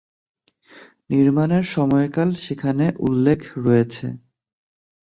নির্মাণের সময়কাল সেখানে উল্লেখ রয়েছে।